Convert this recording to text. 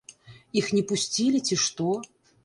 Іх не пусцілі ці што?